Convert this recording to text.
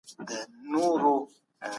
دا شمېره ده.